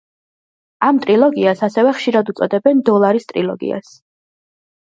ამ ტრილოგიას ასევე ხშირად უწოდებენ „დოლარის ტრილოგიას“.